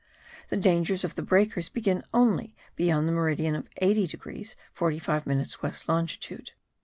The dangers of the breakers begin only beyond the meridian 80 degrees 45 minutes west longitude.